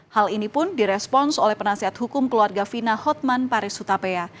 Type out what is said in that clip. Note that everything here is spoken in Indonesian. hal ini pun direspons oleh penasihat hukum keluarga fina hotman paris hutapea